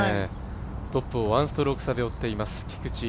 トップを１ストローク差で追っています、菊地。